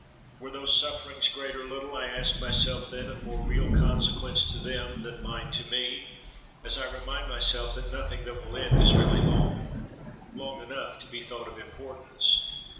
Were those sufferings, great or little, I asked myself then, of more real consequence to them than mine to me, as I remind myself that 'nothing that will end is really long'—long enough to be thought of importance?